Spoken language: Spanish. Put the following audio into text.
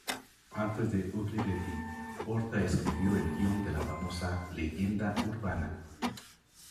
Antes de Ugly Betty, Horta escribió el guión de la famosa "Leyenda urbana".